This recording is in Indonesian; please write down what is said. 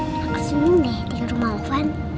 lepas ini deh tinggal rumah ovan